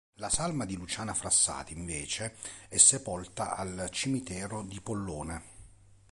La salma di Luciana Frassati invece, è sepolta al cimitero di Pollone.